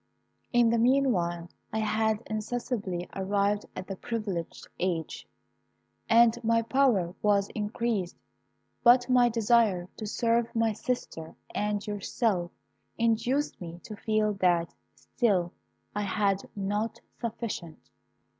"In the meanwhile, I had insensibly arrived at the privileged age, and my power was increased, but my desire to serve my sister and yourself induced me to feel that still I had not sufficient.